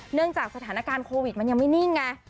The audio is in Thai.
เนื่องจากสถานการณ์โควิดมันยังไม่นิ่งไง